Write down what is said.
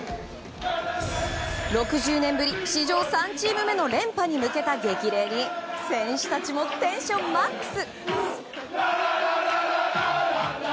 ６０年ぶり史上３チーム目の連覇に向けた激励に選手たちもテンションマックス！